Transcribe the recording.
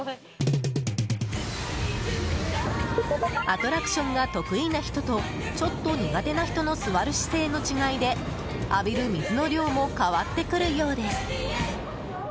アトラクションが得意な人とちょっと苦手な人の座る姿勢の違いで浴びる水の量も変わってくるようです。